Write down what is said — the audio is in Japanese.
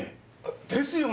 ですよね！